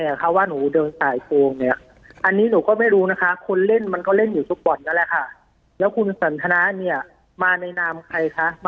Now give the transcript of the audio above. อ่ามาเนี้ย